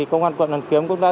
công an quận hoàn kiếm cũng đã